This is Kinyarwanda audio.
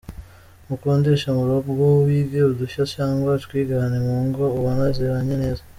Mukundishe mu rugo, wige udushya cyangwa utwigane mu ngo ubona zibanye neza.